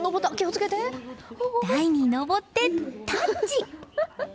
台に上ってタッチ！